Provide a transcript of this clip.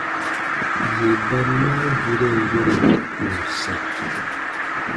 Yè ba naagiren yorubu kùn sɛ̃.